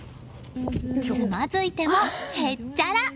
つまずいてもへっちゃら。